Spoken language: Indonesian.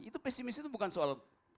itu pesimism bukan soal